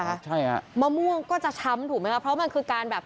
ใช่ฮะมะม่วงก็จะช้ำถูกไหมคะเพราะมันคือการแบบ